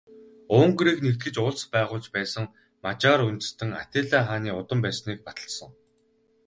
Унгарыг нэгтгэж улс байгуулж байсан Мажар үндэстэн Атилла хааны удам байсныг баталсан.